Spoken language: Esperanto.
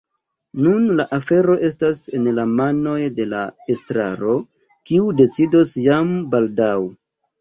Nun la afero estas en la manoj de la estraro, kiu decidos jam baldaŭ.